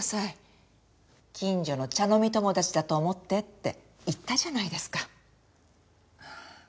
近所の茶飲み友達だと思ってって言ったじゃないですか。